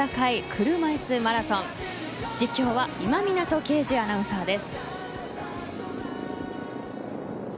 車椅子マラソン実況は今湊敬樹アナウンサーです。